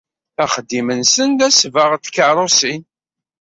Axeddim-nsen d asbaɣ n tkeṛṛusin.